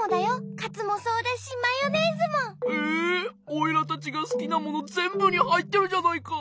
おいらたちがすきなものぜんぶにはいってるじゃないか！